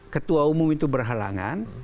ketua umum itu berhalangan